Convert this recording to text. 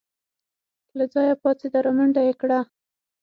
له ځايه پاڅېد رامنډه يې کړه.